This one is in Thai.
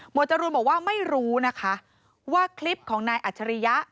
จรูนบอกว่าไม่รู้นะคะว่าคลิปของนายอัจฉริยะ